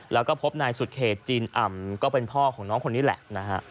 แล้วก็พบนายสุดเขตจีนอ่ำก็เป็นพ่อของน้องคนนี้แหละนะฮะ